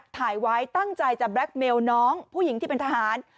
ถ่ายไว้ตั้งใจจะแบล็คเมลน้องผู้หญิงที่เป็นทหาร